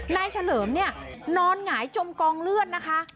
เฉลิมเนี่ยนอนหงายจมกองเลือดนะคะ